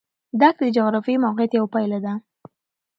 دښتې د جغرافیایي موقیعت یوه پایله ده.